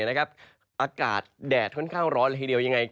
อากาศแดดค่อนข้างร้อนละทีเดียวยังไง